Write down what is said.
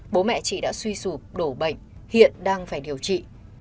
bố mẹ chị đã suy sụp đổ bệnh hiện đang phải điều trị